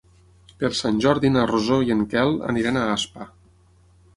Per Sant Jordi na Rosó i en Quel aniran a Aspa.